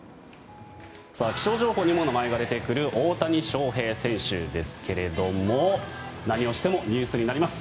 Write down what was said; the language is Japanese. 気象情報にも名前が出てくる大谷翔平選手ですけれども何をしてもニュースになります。